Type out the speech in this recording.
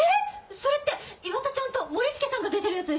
それって岩田ちゃんとモリスケさんが出てるやつでしょ？